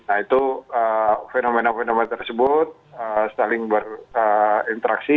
nah itu fenomena fenomena tersebut saling berinteraksi